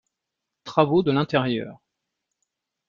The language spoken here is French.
travaux de l’intérieur.